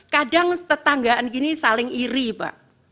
kadang tetanggaan gini saling iri pak